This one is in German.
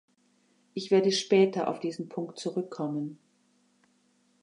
Ich werde später auf diesen Punkt zurückkommen.